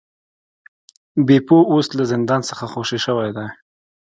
بیپو اوس له زندان څخه خوشې شوی دی.